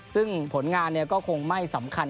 ซึ่งผลงานก็คงไม่สำคัญ